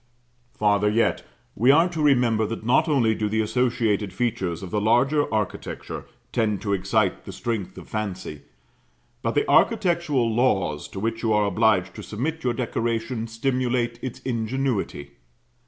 Farther yet. We are to remember that not only do the associated features of the larger architecture tend to excite the strength of fancy, but the architectural laws to which you are obliged to submit your decoration stimulate its ingenuity.